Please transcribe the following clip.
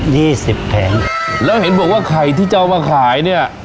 สิบแผงแล้วเห็นบอกว่าไข่ที่จะเอามาขายเนี้ย